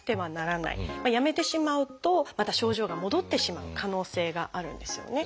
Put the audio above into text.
やめてしまうとまた症状が戻ってしまう可能性があるんですよね。